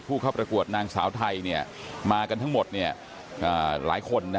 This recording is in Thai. ผู้เข้าประกวดนางสาวไทยมากันทั้งหมดหลายคน